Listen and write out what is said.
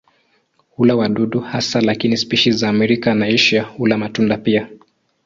Hula wadudu hasa lakini spishi za Amerika na Asia hula matunda pia.